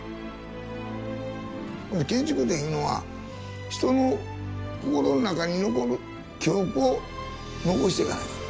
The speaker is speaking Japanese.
建築っていうのは人の心の中に残る記憶を残していかなあかん。